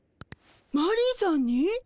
マリーさんに？